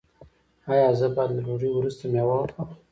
ایا زه باید له ډوډۍ وروسته میوه وخورم؟